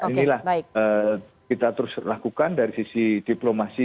inilah kita terus lakukan dari sisi diplomasi